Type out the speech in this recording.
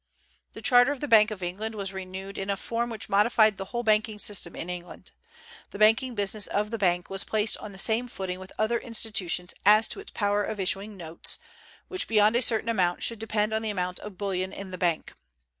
The charter of the Bank of England was renewed in a form which modified the whole banking system in England. The banking business of the Bank was placed on the same footing with other institutions as to its power of issuing notes, which beyond a certain amount should depend on the amount of bullion in the Bank.